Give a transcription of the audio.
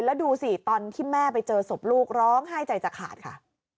แล้วดูสิตอนที่แม่ไปเจอศพลูกร้องไห้ใจจะขาดค่ะ